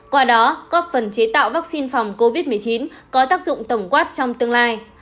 qua đó góp phần chế tạo vaccine phòng covid một mươi chín có tác dụng tổng quát trong tương lai